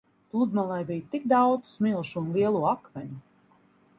Pludmalē bija tik daudz smilšu un lielo akmeņu.